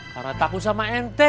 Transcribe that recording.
karena takut sama ente